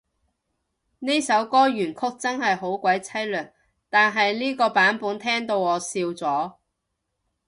呢首歌原曲真係好鬼淒涼，但係呢個版本聽到我笑咗